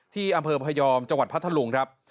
ที่อำเภอพยอมจังหวัดพัทธลุงครับ